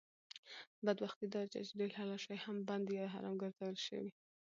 بدبختي داده چې ډېر حلال شی هم بند یا حرام ګرځول شوي